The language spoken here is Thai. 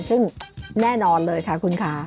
ซึ่งแน่นอนเลยค่ะคุณค่ะ